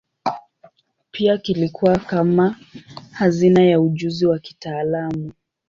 Pia kilikuwa kama hazina ya ujuzi wa kitaalamu.